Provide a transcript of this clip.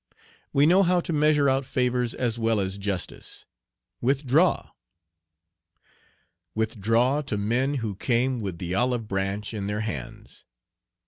We know how to measure out favors as well as justice. Withdraw!" "Withdraw" to men who came with the olive branch in their hands!